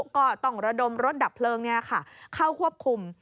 ก็ต้องระดมรถดับเพลิงเข้าควบคุม